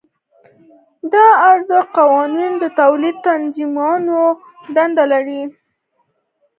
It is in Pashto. د ارزښت قانون د تولید تنظیمولو دنده لري